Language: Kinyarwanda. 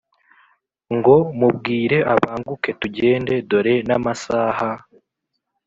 ngo”mubwire abanguke tugende dore namasaha